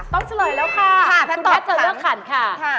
เฉลยแล้วค่ะคุณตอสจะเลือกขันค่ะ